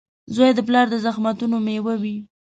• زوی د پلار د زحمتونو مېوه وي.